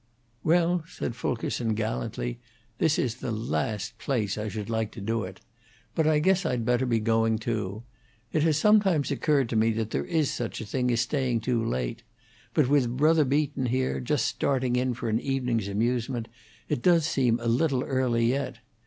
"Well," said Fulkerson, gallantly, "this is the last place I should like to do it. But I guess I'd better be going, too. It has sometimes occurred to me that there is such a thing as staying too late. But with Brother Beaton, here, just starting in for an evening's amusement, it does seem a little early yet.